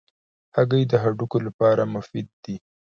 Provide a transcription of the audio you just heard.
هګۍ د هډوکو لپاره مفید دي.